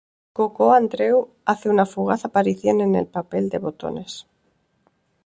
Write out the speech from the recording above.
Gogó Andreu hace una fugaz aparición en el papel de botones.